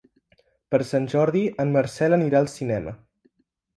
Per Sant Jordi en Marcel anirà al cinema.